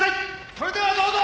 「それではどうぞ！